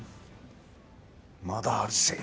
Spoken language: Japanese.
「まだあるぜ！」